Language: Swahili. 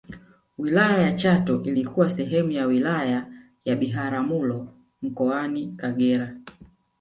wilaya ya chato ilikuwa sehemu ya wilaya ya biharamulo mkoani kagera